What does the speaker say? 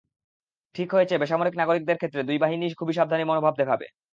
ঠিক হয়েছে, বেসামরিক নাগরিকদের ক্ষেত্রে দুই বাহিনীই খুবই সাবধানী মনোভাব দেখাবে।